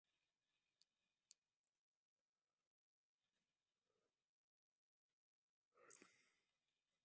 Robert Nesta Maarufu kama Bob Marley ni unaweza kusema nia muanzilishi